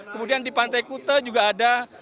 kemudian di pantai kute juga ada